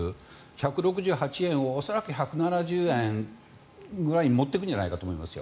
１６８円を恐らく１７０円くらいに持っていくんじゃないかと思います。